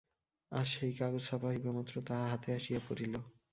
আজ সেই কাগজ ছাপা হইবামাত্র তাহা হাতে আসিয়া পড়িল।